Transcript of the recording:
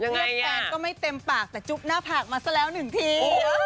เรียกแฟนก็ไม่เต็มปากแต่จุ๊บหน้าผากมาซะแล้วหนึ่งที